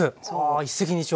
一石二鳥。